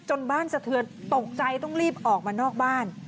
บ้านสะเทือนตกใจต้องรีบออกมานอกบ้าน